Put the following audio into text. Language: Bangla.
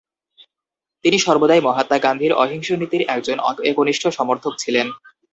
তিনি সর্বদাই মহাত্মা গান্ধীর অহিংস নীতির একজন একনিষ্ঠ সমর্থক ছিলেন।